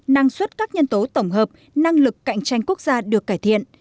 năng suất các nhân tố tổng hợp năng lực cạnh tranh quốc gia được cải thiện